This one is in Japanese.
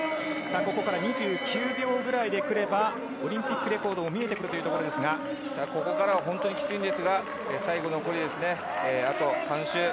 ここから２９秒くらいでくればオリンピックレコードも見えてくるというところですがここからは本当にきついんですが最後、残りあと半周。